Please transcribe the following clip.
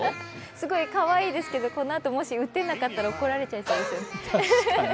すごいかわいいですけど、このあと、もし打てなかったら怒られちゃいそうですよね。